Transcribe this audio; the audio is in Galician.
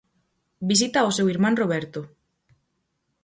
Visita ao seu irmán Roberto.